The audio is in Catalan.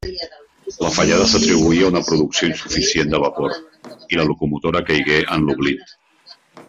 La fallada s'atribuí a una producció insuficient de vapor, i la locomotora caigué en l'oblit.